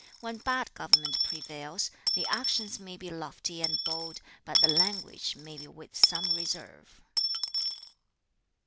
When bad government prevails, the actions may be lofty and bold, but the language may be with some reserve.'